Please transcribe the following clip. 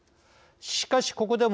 しかし、ここでも